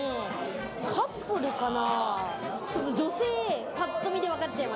カップルかな？